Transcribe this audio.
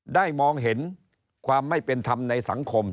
มองเห็นความไม่เป็นธรรมในสังคม